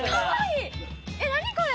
何これ！